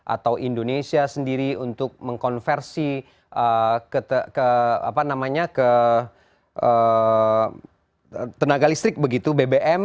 atau indonesia sendiri untuk mengkonversi ke tenaga listrik begitu bbm